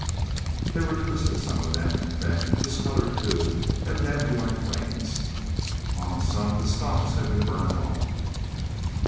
They were twisted, some of them, and bent; discolored, too, evidently by flames. On some the stocks had been burned off.